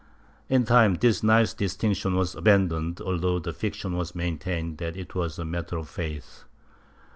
* In time this nice distinction was abandoned, although the fiction was maintained that it was a matter of faith.